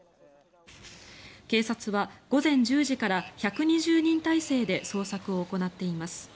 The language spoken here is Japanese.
警察は午前１０時から１２０人態勢で捜索を行っています。